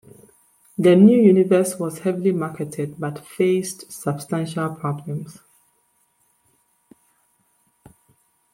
The New Universe was heavily marketed, but faced substantial problems.